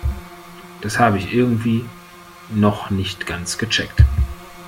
Das habe ich irgendwie noch nicht ganz gecheckt.